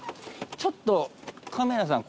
ちょっとカメラさん